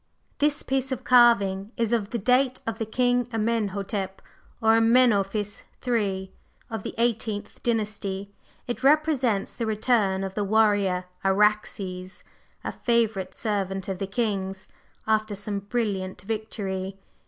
"This piece of carving is of the date of the King Amenhotep or Amenophis III., of the Eighteenth Dynasty. It represents the return of the warrior Araxes, a favorite servant of the king's, after some brilliant victory.